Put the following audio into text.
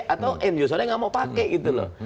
atau end usernya gak mau pake gitu loh